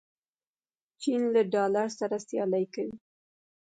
چین له ډالر سره سیالي کوي.